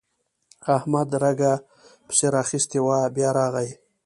احمد رګه پسې راخيستې وه؛ بيا راغی.